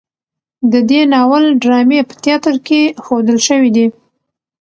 د دې ناول ډرامې په تیاتر کې ښودل شوي دي.